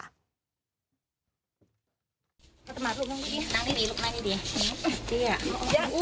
มาตรงนี้นั่งดีมานี่ดี